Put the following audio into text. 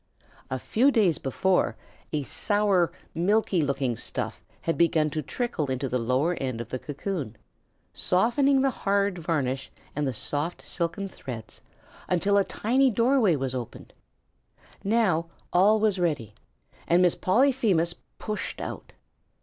A few days before a sour, milky looking stuff had begun to trickle into the lower end of the cocoon, softening the hard varnish and the soft silken threads until a tiny doorway was opened. Now all was ready and Miss Polyphemus pushed out.